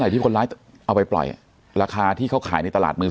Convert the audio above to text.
ที่คนร้ายเอาไปปล่อยราคาที่เขาขายในตลาดมือ